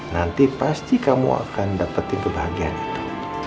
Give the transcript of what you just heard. nanti pasti kamu akan dapetin kebahagiaan itu